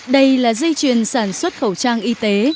đây là dây chuyền sản xuất khẩu trang y tế